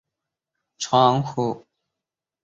万历十四年丙戌科第三甲第一百六十四名进士。